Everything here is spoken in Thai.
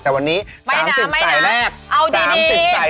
แต่วันนี้๓๐สายแรกนี้ร้อนไปเลย๒๐๐๐บาทเหลือแค่๒๓๕๐บาท